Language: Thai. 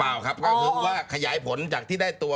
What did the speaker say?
ครับก็คือว่าขยายผลจากที่ได้ตัว